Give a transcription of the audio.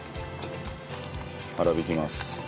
粗挽きます。